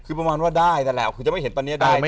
ขึ้นประมาณว่าได้แล้วคือจะไม่เห็นตอนนี้ได้